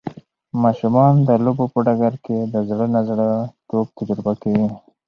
ماشومان د لوبو په ډګر کې د زړه نا زړه توب تجربه کوي.